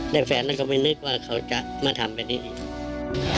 แต่แฟนนั้นก็ไม่นึกว่าเขาจะมาทำแบบนี้อีก